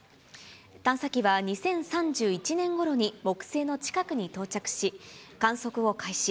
探査機は２０３１年ごろに木星の近くに到着し、観測を開始。